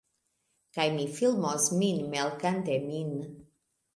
Kaj mi filmos min melkante min